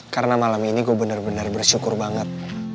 karena malam ini gue bener bener bersyukur banget